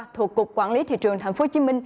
thuộc cục quản lý thị trường tp hcm